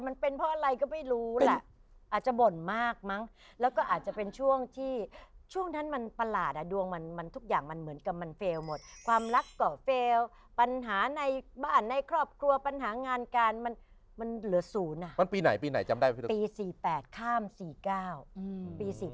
มันเป็นเพราะอะไรก็ไม่รู้แหละอาจจะบ่นมากมั้งแล้วก็อาจจะเป็นช่วงที่ช่วงนั้นมันประหลาดอ่ะดวงมันมันทุกอย่างมันเหมือนกับมันเฟลล์หมดความรักก่อเฟลล์ปัญหาในบ้านในครอบครัวปัญหางานการมันมันเหลือศูนย์อ่ะมันปีไหนปีไหนจำได้ไหมปี๔๘ข้าม๔๙ปี๔๙